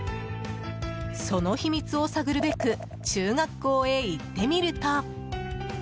その秘密を探るべく中学校へ行ってみると。